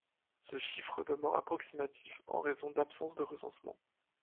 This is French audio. Ce chiffre demeure approximatif en raison d'absence de recensement.